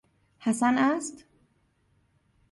حسن است؟